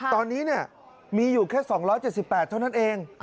ตอนนี้มีอยู่แค่๒๗๘เท่านั้นเอง